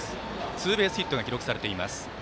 ツーベースヒットが記録されています。